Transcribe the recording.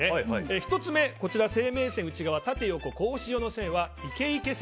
１つ目、生命線内側の縦横の格子状の線はイケイケ線。